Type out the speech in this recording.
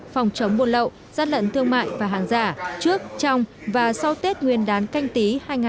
phòng chống buôn lậu giát lận thương mại và hàng giả trước trong và sau tết nguyên đán canh tí hai nghìn hai mươi